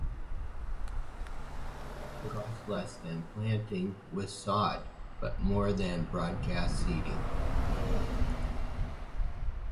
Hydroseeding will typically cost less than planting with sod, but more than broadcast seeding.